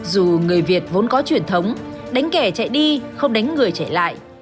dù người việt vốn có truyền thống đánh kẻ chạy đi không đánh người chạy lại